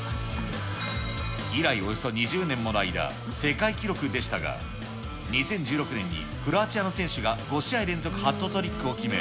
以来およそ２０年もの間、世界記録でしたが、２０１６年にクロアチアの選手が５試合連続ハットトリックを決め、